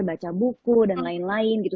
baca buku dan lain lain gitu